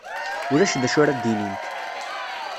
Ulac d acu ara d-inint.